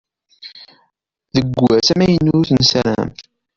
Deg ass amynut nessaram.